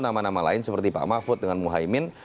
nama nama lain seperti pak mahfud dengan muhaymin